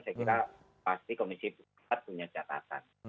saya kira pasti komisi empat punya catatan